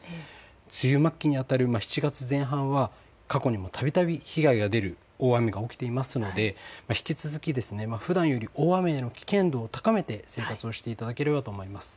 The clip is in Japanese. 梅雨末期にあたる７月前半は過去にもたびたび被害が出る大雨が起きていますので引き続き、ふだんより大雨への危険度を高めて生活をしていただければと思います。